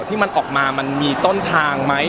ที่มันออกมามันมีต้นทางไหม